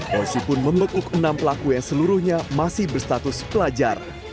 polisi pun membekuk enam pelaku yang seluruhnya masih berstatus pelajar